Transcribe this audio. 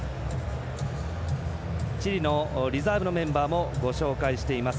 チリのリザーブのメンバーも紹介しています。